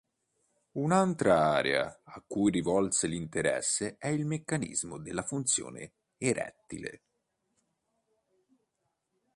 Un'altra area a cui rivolse l'interesse è il meccanismo della funzione erettile.